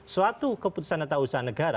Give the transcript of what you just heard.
suatu keputusan atau usaha negara